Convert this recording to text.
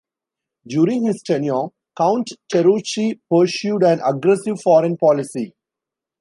During his tenure, Count Terauchi pursued an aggressive foreign policy.